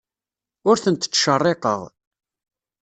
Ur ten-ttcerriqeɣ.